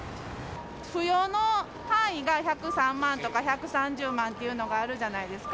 扶養の範囲が１０３万とか、１３０万っていうのがあるじゃないですか。